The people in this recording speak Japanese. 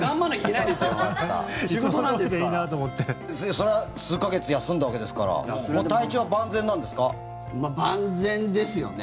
そりゃあ数か月休んだわけですからまあ万全ですよね。